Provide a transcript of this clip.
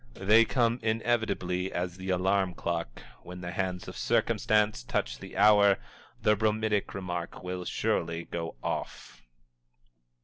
They come inevitably as the alarm clock; when the hands of circumstance touch the hour, the bromidic remark will surely go off.